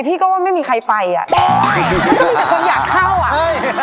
พี่ก็ว่าไม่มีใครไปอ่ะมันก็มีแต่คนอยากเข้าอ่ะเอ้ย